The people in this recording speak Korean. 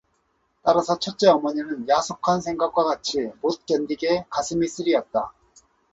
따라서 첫째 어머니는 야속한 생각과 같이 못 견디게 가슴이 쓰리었다.